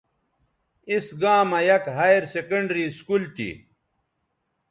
اِس گاں مہ یک ہائیر سیکنڈری سکول تھی